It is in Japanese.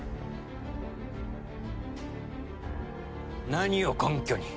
何を根拠に？